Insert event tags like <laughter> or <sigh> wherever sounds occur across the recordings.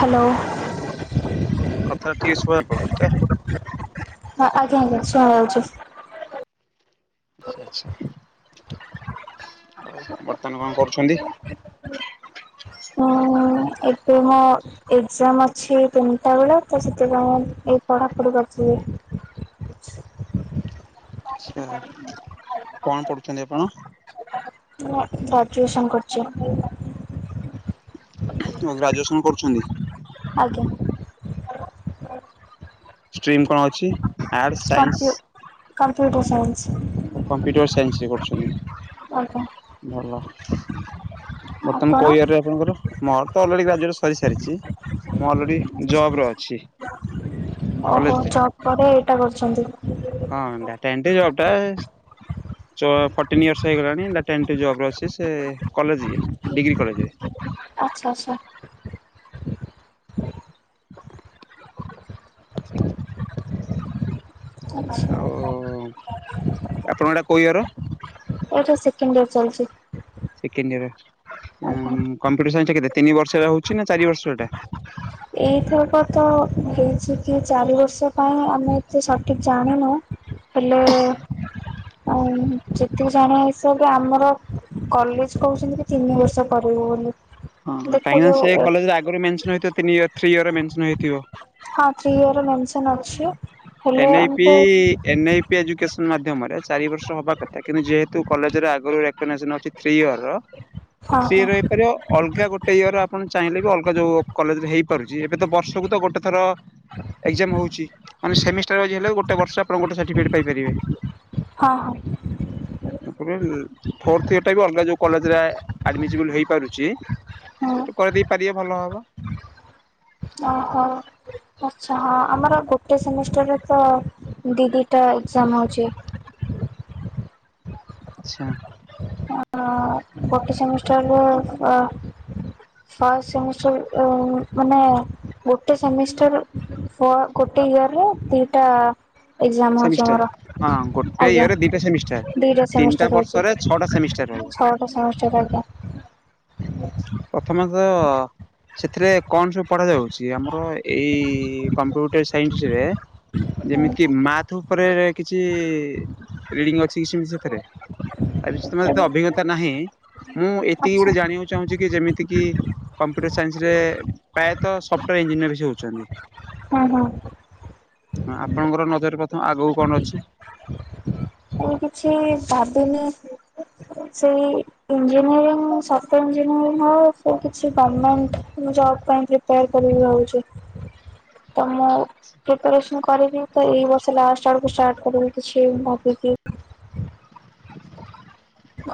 Hello. ହୁଁ କଥାଟା ଟିକେ ଶୁବା <unintelligible> ହଁ ଆଜ୍ଞା ଆଜ୍ଞା ସୁଣା ଯାଉଚି। ଆଉ ବର୍ତ୍ତମାନ କଣ କରୁଚନ୍ତି? ଉଁ ଏଠ ମୁଁ ଏଜାମ ଅଛି ତିନିଟା ବେଳେ ତ ସେଥିପାଇଁ ଏଇ ପଢାପଢି କରିଥିଲି। ଆଛା। କଣ ପଢୁଛନ୍ତି ଆପଣ? ମୁଁ ଗ୍ରାଜୁଏସନ କରୁଛି। ଗ୍ରାଜୁଏସନ୍ କରୁଛନ୍ତି? ଆଜ୍ଞା। ଷ୍ଟ୍ରିମ୍ କଣ ଅଛି? ଆର୍ଟସ, ସାଇନ୍ସ କମ୍ପ୍ୟୁ କମ୍ପ୍ୟୁଟର ସାଇନ୍ସ। ଓ କମ୍ପ୍ୟୁଟର ସାଇନ୍ସରେ ଆଜ୍ଞା କରୁଛନ୍ତି। ଭଲ। ବର୍ତ୍ତମାନ ଆପଣ? କୋ ଇଅରେ ଆପଣଙ୍କର ମୋର ତ ଅଲରେଡି ଗ୍ରାଜୁଟ ସରି ସାରିଛି। ମୁଁ ଅଲରେଡି ଜବ ରେ ଅଛି। ଓହୋ କଲେଜରେ। ଜବ୍ ପରେ ଏଇଟା କରଛନ୍ତି। ହଁ ଡାଟା ଏଣ୍ଟି ଜବ୍ ଟା ଚଅ ଫର୍ଟିନ୍ ଇୟର୍ସ ହେଇଗଲାଣି। ଡାଟା ଏଣ୍ଟି ଜବ୍ ରେ ଅଛି ସେ କଲେଜ ଡିଗ୍ରୀ କଲେଜରେ। ଆଚ୍ଛା ଆଚ୍ଛା। <inaudible> ଆଉ ଆଚ୍ଛା। ଆପଣଙ୍କର ଏଟା କୋଉଁ ଇଅର? ଏଇଟା ସେକେଣ୍ଡ ଇଅର୍ ଚାଲିଛି। Second year. ଆଜ୍ଞା। କମ୍ପୁଟର ସାଇନସ୍ କେତେ ତିନି ବର୍ଷ ହଉଛି ନା ଚାରି ବର୍ଷଟା? ଏଇଥରକ ତ ହେଇଛି କି ଚାରି ବର୍ଷ ପାଇଁ ଆମେ ତ ସଠିକ ଜାଣିନୁ ହେଲେ ଆଉ ଯେତିକି ଜାଣିବା ଏସ କି ଆମର କଲେଜ କହୁଛନ୍ତି କି ତିନି ବର୍ଷ କରିବୁ ବୋଲି। ହଁ କାହିଁକିନା ସେ ଦେଖାଯାଉ କଲେଜରେ ଆଗରୁ ମେସ ହେଇଥ ନି ୟ ଥ୍ରୀ ଇୟରରେ ମେସନ୍ଇଥିବ। ହଁ ଥ୍ରୀ ଇୟର ମେନସନ ଅଛି। ହେଲେ ଏନ ଆଇ ପି ଆମକୁ ଏନ୍ ଆଇ ପି ଏଜୁକେସନ୍ ମାଧ୍ୟମରେ ଚାରି ବର୍ଷ ହବା କଥା କିନ୍ତୁ ଯେହେତୁ କଲେଜ ରେ ଆଗରୁ ରେକକ୍ନାଜେସନ୍ ହେଉଛି ତିନି ଇଅର୍ ର ହଁ ସେଥି ହଁ ଥିଇଅର୍ ହେଇପାରିବ ଅଲଗା ଗୋଟେ ଇୟର ଆପଣ ଚାହିଁଲେ ବି ଅଲଗା ଯୋଉ କଲେଜରେ ହେଇପାରୁଛି। ଏବେ ତ ବର୍ଷକୁ ତ ଗୋଟେ ଥର ଏଜ୍ରାମ୍ ହଉଛି। ମାନେ ସେମିଷ୍ଟର ହେ ଗୋଟେ ବର୍ଷ <unintelligible> ହଁ ହଁ। ଫୋର୍ଥ ଇଅର୍ ଭି ଅଲଗା ଯୋଉ କଲେଜ ରେ ଆଡମିଜିବୁଲ ହେଇପାରୁଛି। ହଁ ହଁ ସେଇଠୁ କରିଦେଇ ପାରିବେ ଭଲ ହବ। ଓହୋ। ଆଛା ହଁ। ଆମର ଗୋଟେ ସେମିଷ୍ଟରରେ ତ ଦି ଦିଟା ଏଜାମ ହଉଛି। ଆଚ୍ଛା। ଗୋଟେ ସେମିଷ୍ଟରରୁ ଆ ଫାଷ୍ଟ ସେମିଷ୍ଟର ଊ ମାନେ ଗୋଟେ ସେମିଷ୍ଟର ଗୋଟେ ଇୟରେ ଦିଟା ଏକ୍ଜାମ ହଉଛି ଆମର ସେମିଷ୍ଟାର। ହଁ ଗୋଟେ ଆଜ୍ଞା। ଇୟରରେ ଦିଟା ସେମିଷ୍ଟାର। ଦିଟା ତିନିଟା ସେମିଷ୍ଟାର ହଉଛି ବର୍ଷରେ ଛଅଟା ସେମିଷ୍ଟାର ରହିବ। <unintelligible> ପ୍ରଥମେ ତ ସେଥିରେ କଣ ସବୁ ପଢା ଯାଉଛି। ଆମର ଏଇ କମ୍ପ୍ୟୁଟର ସାଇନ୍ସ ରେ ଯେମିତି କି ମାଥ ଉପରେ କିଛି ରେଡିଙ୍ଗ ଅଛି କି ସେମତି ସେଥିରେ। ଏ ବିଷୟରେ ତମୋର ଅଭିଜ୍ଞତା ନାହିଁ। ମୁଁ ଏତିକି ଆଚ୍ଛା ଗୋଟେ ଜାଣିବାକୁ ଚାହୁଚିକି ଯେମିତି କମ୍ପୁଟର ସାଇନ୍ସରେ ପ୍ରାୟତ ସଫ୍ଟ ଇଞ୍ଜିନିୟର ବି ହଉଛନ୍ତି। ହୁଁ ହୁଁ। ହଁ ଆପଣଙ୍କର ନଜରରେ ପ୍ରଥମେ ଆଗକୁ କଣ ଅଛି? ମୁଁ କିଛି ଭାବିନି ସେଇ ଇଞ୍ଜିନିୟରିଂ ସଫ୍ଟାର ଇଞ୍ଜିନିୟରିଂ ହଉ ସେ କିଛି ଗଭର୍ଣ୍ଣମେଣ୍ଟ ଜବ୍ ପାଇଁ ପ୍ରି ଟ୍ରାଏ କରିବି ଭାବୁଛି। ତ ମୁଁ ପ୍ରିପାରେସନ କରିବି ତ ଏଇ ବର୍ଷ ଲାଷ୍ଟ ଆଡକୁ ଷ୍ଟାର୍ଟ କରିବି କିଛିଁ ଭାବିକି।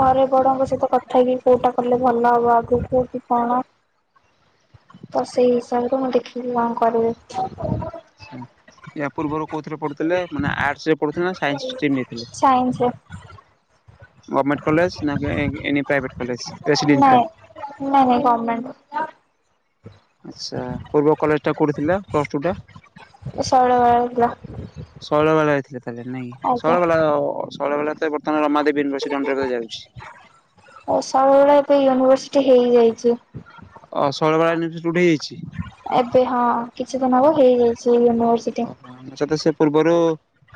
ଘରେ ଅଛି? ବଡଙ୍କ ସହିତ କଥା ହେଇକି କୋଉଟା କଲେ ଭଲ ହବ ଆଗକୁ କି କଣ? ତ ସେଇ ହିସାବରେ ମୁଁ ଦେଖିକି କଣ କରିବି। ଆଛା ୟା ପୂର୍ବରୁ କୋଉଥିରେ ପଢୁଥିଲେ ମାନେ ଆଟ୍ସ୍ ରେ ପଢୁଥିଲେ ନା ସାଇନ୍ସ ଷ୍ଟ୍ରିମ୍ ନେଇଥିଲେ? ସାଇନ୍ସ ରେ। ଗଭର୍ମେଣ୍ଟ କଲେଜ ଏ ଏନି ପ୍ରାଇଭେଟ କଲେଜ ରେସିଡେନଟାଲ? ନାଇଁ ନାଇଁ ନାଇଁ ଗମେଣ୍ଟ କଲେଜ୍ ଆଛା ପୂର୍ବ କଲେଜ ଟା କୋଉଠି ଥିଲା ପ୍ଲସ ଟୁ ଟା? ଶୈଳବାଳା ଶୈଳବାଳା ଯାଇଥିଲେ ତାହେଲେ ନାଇଁ କି ଆଜ୍ଞା ଶୈଳବାଳା ଶୈଳବାଳା ତ ଏ ବତ୍ ସ୍ଥ ରମାଦେବ ୟୁିଭର୍ସିଟି ଅଣ୍ଡର ଯାଉଛି। ଓ ସବୁବେଳେ ଏବେ ୟୁନିଭର୍ସିଟି ହେଇଯାଇଚି। ଅ ସଳବାଳା <unintelligible> ହେଇଯାଇଚି। ଏବେ ହଁ କିଛି ଦିନ ହବ ହେଇଯାଇଛି ୟୁନିଭର୍ସି ହଁ ସତ ସେ ପୂର୍ବରୁ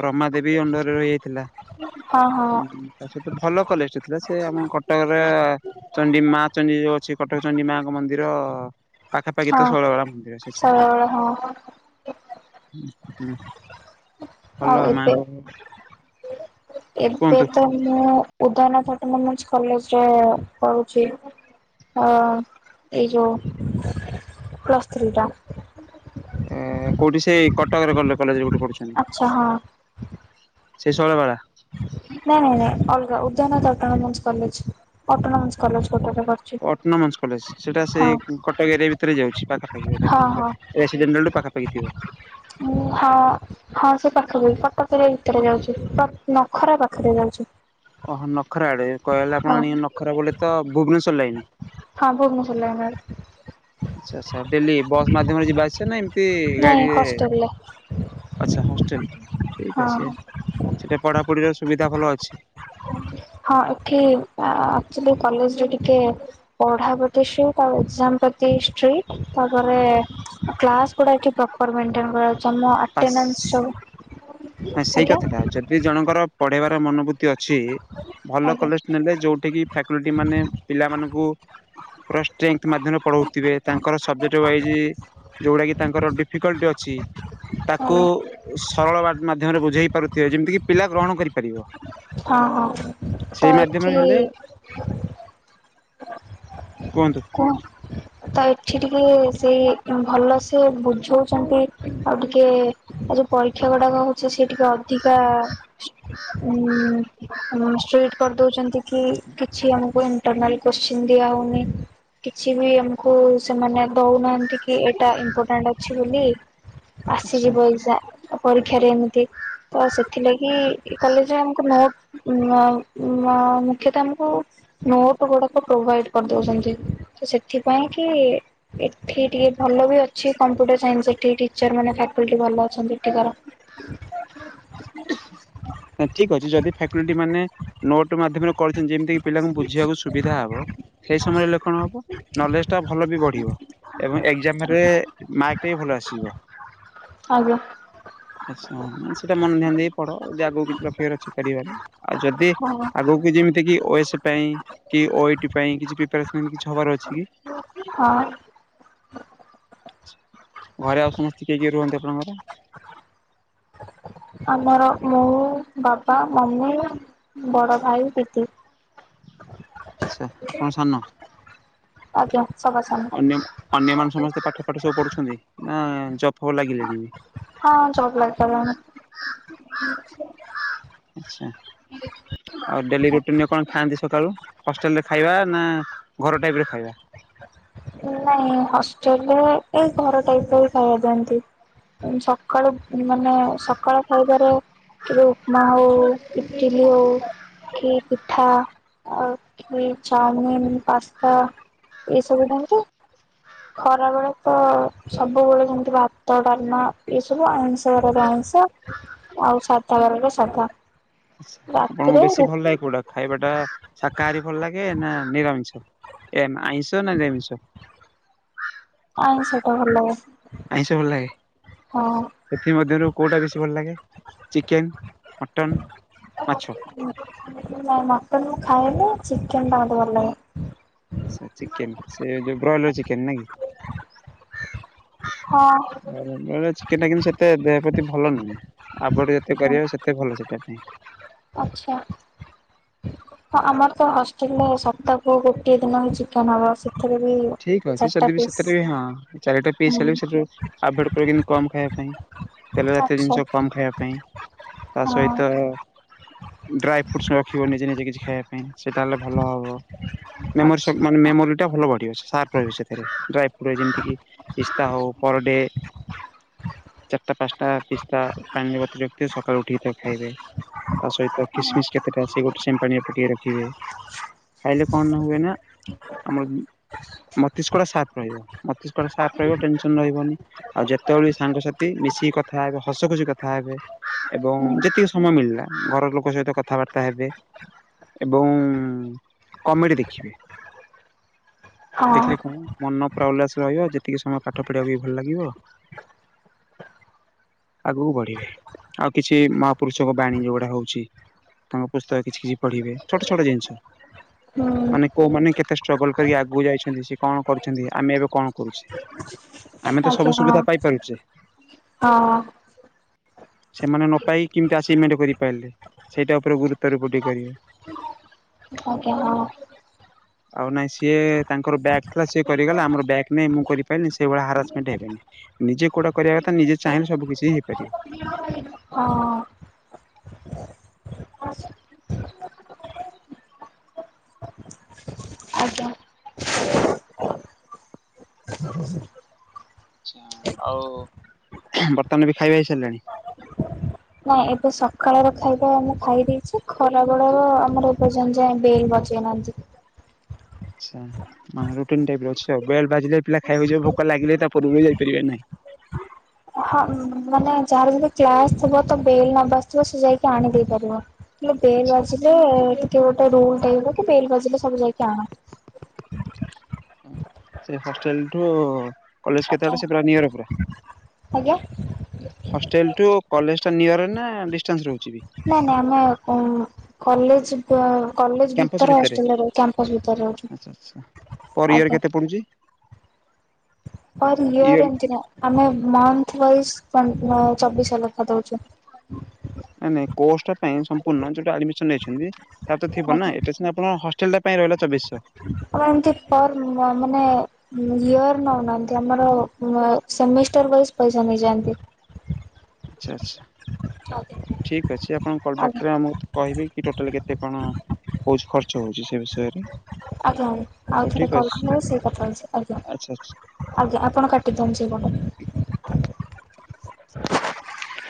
ରମା ଦେବୀ ଅଣ୍ଡରେ ରହିଯାଇଥିଲା ହଁ ହଁ ହୁଁ। ସେତ ଭଲ କଲେଜ ଟେ ଥିଲା ସେ ଆମ କଟକରେ ଚଣ୍ଡୀ ମା ଚଣ୍ଡୀ ଯୋଉ ଅ କଟକ ଚଣ୍ଡି ମାଙ୍କ ମନ୍ଦିର ପାଖାପାଖି ତ ହଁ। ଶୈଳବାଳା ମନ୍ଦିର ସେ ଛକ। ଶୈଳବାଳା ହଁ। ହୁଁ। ଭଲ ଆଉ ଏବେ ମାଆଙ୍କ ଏବେ କୁହନ୍ତୁ ତ ମୁଁ ଉଦାନ ଥାଟୋନୋମିସ୍କ କଲେଜରେ ପଢୁଚି। ଅ ଏଇ ଯୋଉ ପ୍ଲସ୍ ଥ୍ରୀ ଟା। ଉଁ କୋଉଠି ସେ କଟକରେ କଲେ କଲେଜରେ ଯଉଠି ପଢୁୁଚ। ଆଛା ହଁ। ସେ ଶୈଳବାଳା ନାଇଁ ନାଇଁ ନାଇଁ ଅଲଗା ଉଦ୍ୟନାଥ ତଟନୋମିଷ୍କ କଲେଜ ଅଟୋନୋମିକ୍ସ କଲେଜ ଗୋଟା ଟାଙ୍କ। ଅଟନୋମେନ୍ସ କଲେଜ ସେଇଟା ସେଇ କଟକ ଏରିଆ ଭିତରେ ଯାଉଛି ପାଖାପାଖି ବୋଧେ ହଁ ଆପଣଙ୍କର? ରେସିଡେଣ୍ଟଲ ଠୁ ପାଖାପାଖି ଥିବ? ମୁଁ ହଁ ହଁ ସେ ପାଖାପାଖି କଟକ ରେ ଭିତରେ ଯାଉଚି ପ ନଖରା ପାଖେରେ ଜଣେ ଓହୋ ନଖରା ଆଡେ କହିଲେ ଆପଣି ନଖରା ବୋଲେ ତ ଭୁବନେଶ୍ୱର ଲାଇନ୍। ହଁ ଭୁବନେଶ୍ୱର ଲାଇନ ଆଡେ। ଆଛା ଆଛା ଡେଲି ବସ୍ ମାଧ୍ୟମରେ ଯିବା ଆସିବା ନା ଏମତି ନାଇଁ ଗାଡିରେ ହଷ୍ଟେଲରେ ଆଛା ହଷ୍ଟେଲ ଠିକ ହଁ ଅଛି ସେଟା ପଢାପଢିର ସୁବିଧା ଭଲ ଅଛି ହଁ ଏଠି ଆ ଅକ୍ଚୋଲି କଲେଜରେ ଟିକେ ପଢା ପ୍ରତି ଷ୍ଟ୍ରିଟ୍ ତା ପରେ ଏକଜାମ ପ୍ରତି ଷ୍ଟ୍ରିଟ୍ ତାପରେ କ୍ଲାସ ଗୁଡ଼ା ଏଠି ପ୍ରପର ମେଣ୍ଟେନ କରା ଯାଉଚି ଆମ ପାସ୍ ଅଟେନାଂଶ ସବୁ ନା ସେଇ ଆଜ୍ଞା କଥା ଟା ଯଦି ଜଣଙ୍କର ପଢେଇବାର ମନୋବୃତ୍ତି ଅଛି ଭଲ ଆଜ୍ଞା କଲେ ନେଲେ ଯୋଉଠି କିି ଫ୍ଲାକୋଟି ମାନେ ପିଲାମାନୁକୁ ପୁରା ଷ୍ଟ୍ରେନ୍ତ ମାଧ୍ୟାମରେ ପଢଉଥିବେ ତାଙ୍କର ସବଜେକ୍ଟ ୱାଇଜ ଯେଉଡାକି ତାଙ୍କର ଡିଫିକଲ୍ଟି ଅଛି। ତାକୁ ଆଜ୍ଞା ସରଳ ବା ମାଧ୍ୟମରେ ବୁଝେଇ ପାରୁଥିବେ ଯେମିତି କିି ପିଲା ଗ୍ରହଣ କରିପାରିବ। ହଁ ହଁ ତ ଏଠି କୁ କୁ ତ ଏଠି ଟିକେ ସେଇ ଭଲ ସେ ବୁଝଉଚନ୍ତି ଆଉ ଟିକେ ଆଉ ଯୋଉ ପରୀକ୍ଷା ଗୁଡାକ ହଉଛି ସେ ଟିକେ ଅଧିକା ଉଁ ଉଁ ଷ୍ଟ୍ରିଟ କରଦଉଚନ୍ତି କି କିଛି ଆମକୁ ଇଣ୍ଟରନାଲ କୋତ୍ସିନ ଦିଆହଉନି। କିଛି ବି ଆମକୁ ସେମାନେ ଦଉନାହାନ୍ତି କି ଏଇଟା ଇମ୍ପୋଟାଣ୍ଟ ଅଛି ବୋଲି। ଆଚ୍ଛା ଆସିଯିବ ଏକଜାମ ତ ପରୀକ୍ଷାରେ ଏମତି ତ ସେଥିଲାଗି ଏ କଲେଜରେ ଆମୁକୁ ନୋ ଉଁ ବୋ ଆଉ ବୋ ଆଉ ମୁଖ୍ୟତଃ ଆମୁକୁ ନୋଟ ଗୁଡାକ ପ୍ରୋଭାଇଡ କରଦଉଚନ୍ତି ତ ସେଥି କାହିଁକି ଏଠି ଟିକେ ଭଲ ବି ଅଛି କମ୍ପ୍ୟୁଟର ସାଇନ୍ସ ସେଠି ଟିଚର୍ ମାନେ ଫାକଲ୍ଟି ଭଲ ଅଛନ୍ତି ଏଠିକାର ଠିକ ଅଛି ଯଦି ଫାକଲିଟି ମାନେ ନୋଟ ମାଧ୍ୟମରେ କରିଛନ୍ତି ଯେମିତିକି ପିଲାଙ୍କୁ ବୁଝିବାକୁ ସୁବିଧା ହବ ସେଇ ସମୟରେ କଣ ହବ ନଲେଜ ଟା ଭଲ ବି ବଢିବ ଏବଂ ଏକଜାମରେ ମାର୍କ ବି ଭଲ ଆସିବ ଆଜ୍ଞା। ଆଛା ମାନେ ସେଟା ମନ ଦେଇ ପଢ ଯେ ଆଗକୁ କିଛି ରଖିବାର ଅଛି କରିବାର ଆଉ ଯଦି ହଁ। ଆଗକୁ ଯେମିତି କି ଓ ଏସ୍ ପାଇଁ କି ଓଇଟି ପାଇଁ କିଛି ପ୍ରିପାରେସନ୍ କିଛି ହବାର ଅଛି କି? <unintelligible> ହଁ ଘରେ ଆଉ ସମସ୍ତେ କିଏ କିଏ ରୁହନ୍ତି ଆପଣଙ୍କର? ଆମର ମୁଁ ବାବା ମମି ବଡ ଭାଇ ଦିଦି ଆଚ୍ଛା ଆପଣ ସାନ ଆଜ୍ଞା ସବା ସାନ ଅନ୍ୟ ଅନ୍ୟମାନେ ସମସ୍ତେ ପାଠ ପାଠ ସବୁ ପଢ଼ୁଛନ୍ତି ନା ଜବ୍ ଫବ୍ ଲାଗିଲେଣି ହଁ ଜବ ଲାଗିଗଲାଣି ଆଚ୍ଛା ଆଉ ଡେଲି ରୁଟିନ କଣ ଖାଆନ୍ତି ସକାଳୁ ହଷ୍ଟେଲରେ ଖାଇବା ନା ଘର ଟାଇପ ର ଖାଇବା ନାଇଁ ହଷ୍ଟେଲରେ ଏଇ ଘର ଟାଇପ ର ଖାଇବା ଦିଅନ୍ତି ସକାଳୁ ମାନେ ସକାଳ ଖାଇବାରେ କି ଉପମା ହଉ ଇଟିଲି ହଉ କି ପିଠା ଆଉ ଇଡିଲି ଚାଉମିିନ ପାସ୍ତା ସବୁ ଦିଅନ୍ତି ଖରା ବେଳେ ତ ସବୁବେଳେ ଯେମିତି ଭାତ ଡାଲମା ଏହି ସବୁ ଆଇଁଷ ବାରରେ ଆଇଁଷ ଆଉ ସାଧା ବାରରେ ସାଧା ଆପଣଙ୍କୁ ରାତିରେ ବେଶୀ ରୁ ଭଲ ଲାଗେ କଉଟା? ଖାଇବାଟା ଶାକାହାରୀ ଭଲ ଲାଗେ ନା ନିରାମିଷ ଏ ଆଇଁଷ ନା ନିରାମିଷ ଆଇଁଷ ଟା ଭଲ ଲାଗେ ଆଇଁଷ ଭଲ ଲାଗେ ହଁ। ସେଥିମଧ୍ୟରୁ କୋଉଟା ବେଶୀ ଭଲ ଲାଗେ ଚିକେନ ମଟନ ମାଛ ନାଇଁ ମଟନ ମୁଁ ଖାଏନି ଚିକେନଟା ମୋତେ ଭଲ ଲାଗେ ଚିକେନ ସେ ଯଉ ବ୍ରଏଲର ଚିକେନ ନେଇକି ହଁ ବେଳେ ଚିକେନ ଟା କିନ୍ତୁ ସେତେ ଦେହ ପ୍ରତି ଭଲ ନୁହେଁ ଆଭଏଡ ଯେତେ ହଁ କରିବା ସେତେ ଭଲ ସେଇଟା ପାଇଁ ଆଚ୍ଛା ହଁ ଆମର ତ ହଷ୍ଟେଲରେ ସପ୍ତାହକୁ ଗୋଟିଏ ଦିନ ହିଁ ଚିକେନ ହବ ସେଥିରେ ବି ଠିକ୍ ଅଛି ଚାରିଟା ଯଦି ବି ପିସ୍ ସେଥିରେ ବି ହଁ ଚାରିଟା ପିସ୍ ହୁଁ ହେଲେ ବି ସେଥିରୁ ଆଭଏଡ଼ କରିବେ କେମିତି କମ ଖାଇବା ପାଇଁ ତେଲ ଜାତୀୟ ଆଚ୍ଛା ଜିନିଷ କମ ଖାଇବା ପାଇଁ ତା ହଁ ସହିତ ଡ୍ରାଇ ଫ୍ରୁଟ୍ସ ରଖିବ ନିଜେ ନିଜେ କିଛି ଖାଇବା ପାଇଁ ସେଟା ହେଲେ ଭଲ ହବ ମେମୋରି ଆଚ୍ଛା ସକ୍ ମାନେ ମେମୋରିଟା ଭଲ ବଢିବ <unintelligible> ରହିବ ସେଥିରେ ଡ୍ରାଇ ଫ୍ରୁଟ୍ ଯେମିତିକି ପିସ୍ତା ହେଉ ପର ଡେ ଚାରିଟା ପାଞ୍ଚଟା ପିସ୍ତା ପାଣିରେ ବତୁରେଇ ରଖିଥିବେ ସକାଳୁ ଉଠିକି ତାକୁ ଖାଇବେ ତା ସହିତ କିସମିସ୍ କେତେଟା ସେ ଗୋଟେ ସେମିତି ପାଣିରେ ପକେଇ ରଖିବେ ଖାଇଲେ କଣ ନା ହୁଏ ନା ଆମର ମତିଷ୍କଟା ସାର୍ପ ରହିବ ମସ୍ତିଷ୍କ ସାର୍ପ ରହିବ ଟେନସନ ରହିବନି। ଆଉ ଯେତେବେଳେ ସାଙ୍ଗସାଥି ମିଶିକି କଥା ହେବେ ହସ ଖୁସି କଥା ହେବେ ଏବଂ ହୁଁ ଯେତିକି ସମୟ ମିଳିଲା ଘର ଲୋକ ସହିତ କଥାବାର୍ତ୍ତା ହେବେ। ଏବଂ କମେଡ଼ି ଦେଖିବେ। ହଁ ଦେଖିଲେ କଣ ମନ ପୁରା ଉଲ୍ଲାସ ରହିବ ଯେତିକି ସମୟ ପାଠ ପଢିବାକୁ ବି ଭଲ ଲାଗିବ। ଆଗକୁ ବଢିବେ ଆଉ କିଛି ମହାପୁରୁଷଙ୍କ ବାଣୀ ଯୋଉଗୁଡା ହଉଛି ତାଙ୍କ ପୁସ୍ତକ କିଛି କିଛି ପଢିବେ ଛୋଟ ଛୋଟ ଜିନିଷ। ହୁଁ ମାନେ କୋଉମାନେ କେତେ ଷ୍ଟ୍ର୍ରଗଲ କରି ଆଗକୁ ଯାଇଛ ଛନ୍ତି, ସେ କଣ କରୁଛନ୍ତି, ଆମେ ଏବେ କଣ କରୁଛେ? ଆମେ ତ ସବୁ ଆଜ୍ଞା ହଁ ସୁବିଧା ପାଇପାରୁଛେ ହଁ ସେମାନେ ନ ପାଇ କେମିତି ଆଚିଭମେଣ୍ଟ କରିପାରିଲେ, ସେଇଟା ଉପରେ ଗୁରୁତ୍ୱାରୋପ ଟିକେ କରିବେ। ଆଜ୍ଞା ହଁ। ଆଉ ନାଇଁ ସିଏ ତାଙ୍କର ବ୍ୟାକ୍ ଥିଲା ସେ କରିଗଲେ, ଆମର ବ୍ୟାକ୍‌ ନାଇଁ ମୁଁ କରିପାରିଲିନି, ସେଇଭଳିଆ ହାରାସମେଣ୍ଟ ହେବେନି। ନିଜେ କୋଉଟା କରିଆ କଥା, ନିଜେ ଚାହିଁଲେ ସବୁ କିଛି ହିଁ ହେଇପାରିବ। ହଁ। ଆଜ୍ଞା। ଆଚ୍ଛା। ଆଉ ବର୍ତ୍ତମାନ ବି ଖାଇବା ହେଇସାରିଲାଣି? ନାଇଁ, ଏବେ ସକାଳର ଖାଇବା ମୁଁ ଖାଇ ଦେଇଛି, ଖରାବେଳର ଆମର ଏପର୍ଯ୍ୟନ୍ତ ଯାଏ ବେଲ୍ ବାଜି କିଏ ମାନୁଚି? ଆଚ୍ଛା। ହଁ ରୁଟିନ୍ ଟାଇପର ଅଛି ଆଉ। ବେଲ୍‌ ବାଜିଲେ ପିଲା ଖାଇବାକୁ ଯିବେ, ଭୋକ ଲାଗିଲେ ବି ତା ପୂର୍ବରୁ ଯାଇପାରିବେନି। ହଁ, ମାନେ ଯାହାର ଯଦି କ୍ଲାସ୍ ଥିବ, ତ ବେଲ ନ ବାଜିଥିବ ସେ ଯାଇକି ଆଣିଦେଇ ପାରିବ। ହେଲେ ବେଲ୍ ଆଚ୍ଛା ଆଚ୍ଛା। ବାଜିଲେ, ଟିକେ ଗୋଟେ ରୁଲ ଟାଇପର ବେଲ୍ ବାଜିଲେ ସବୁ ଯାଇକି ଆଣ। ହୁଁ। ସେ ହଷ୍ଟେଲଠୁ କଲେଜ କେତେ ଆଜ୍ଞା ବାଟ ସେ ପୁରା ନିୟର ପୁରା? ଆଜ୍ଞା? ହଷ୍ଟେଲ ଟୁ କଲେଜଟା ନିୟରରେ ନା ଡିଷ୍ଟାନ୍ସ ରହୁଛି ବି? ନାଇଁ ନାଇଁ ଆମେ ଉଁ କଲେଜ ବି ତ କଲେଜ ଭିତରେ ହଷ୍ଟେଲ ରହୁ, କ୍ୟାମ୍ପସ ଭିତରେ ଆଚ୍ଛା ଆଚ୍ଛା ରହୁଛୁ। ଆଜ୍ଞା। <unintelligible> ଆହୁରି ନିୟର ଇୟର ଏମତି ନା ଆମେ ମନ୍ଥ ୱାଇସ୍‌ କନ୍ ଚବିଶଶହ ଲେଖା ଦଉଛୁ। ନାଇଁ ନାଇଁ, କୋର୍ସଟା ପାଇଁ ସମ୍ପୂର୍ଣ୍ଣ ଯୋଉଟା ଆଡିମିସନ୍ ନେଇଛନ୍ତି, ତାର ତ ଥିବ ନା। ଆଜ୍ଞା ଏଇଟା ସେ କାଇଁନା ଆପଣଙ୍କ ହଷ୍ଟେଲଟା ପାଇଁ ରହିଲା ଚବିଶଶହ। କ ପାଇଁ ଏମତି ପର ମ-ମାନେ ଇୟର ନଉନାହାଁନ୍ତି ଆମର ଅ ସେମିଷ୍ଟର ୱାଇଜ ପଇସା ନେଇଯାଆନ୍ତି। ଆଚ୍ଛା ଆଚ୍ଛା। ଆଜ୍ଞା। ଠିକ୍ ଅଛି, ଆପଣ କଲ ବ୍ୟାକ୍ଟରେ ଆମକୁ କହିବେ କି ଟୋଟାଲ କେତେ କଣ ହଉଛି ଖର୍ଚ୍ଚ ହଉଛି ସେ ବିଷୟରେ? ଆଜ୍ଞା। ଆଉ ହଉ ଥରେ ଠିକ୍ କଲ୍ ଅଛି କଲେ ସେଇ କଥା ହେଉଛି ଆଜ୍ଞା। ଆଚ୍ଛା ଆଚ୍ଛା। ଆଜ୍ଞା, ଆପଣ କାଟିଦିଅନ୍ତୁ ସେଇପଟେ। <inaudible>